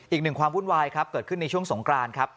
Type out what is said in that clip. อีกหนึ่งความวุ่นวายครับเกิดขึ้นในช่วงสงกรานครับ